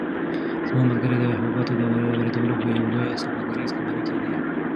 زما ملګری د حبوباتو د واردولو په یوه لویه سوداګریزه کمپنۍ کې دی.